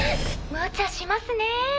むちゃしますねぇ。